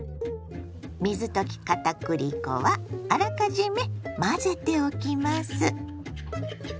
水溶きかたくり粉はあらかじめ混ぜておきます。